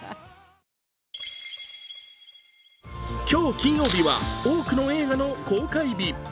今日金曜日は多くの映画の公開日。